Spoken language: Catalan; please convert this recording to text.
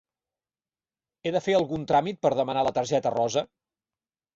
He de fer algun tràmit per demanar la targeta rosa?